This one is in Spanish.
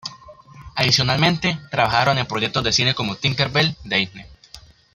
Adicionalmente, trabajaron en proyectos de cine como Tinker Bell de Disney.